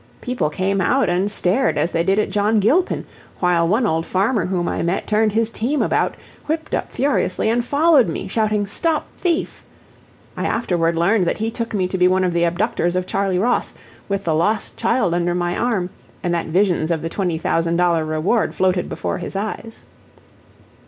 People came out and stared as they did at John Gilpin, while one old farmer whom I met turned his team about, whipped up furiously, and followed me, shouting "Stop thief!" I afterward learned that he took me to be one of the abductors of Charley Ross, with the lost child under my arm, and that visions of the $20,000 reward floated before his eyes.